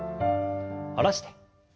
下ろして。